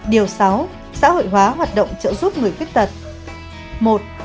điều sáu xã hội hóa hoạt động trợ giúp người khuyết tật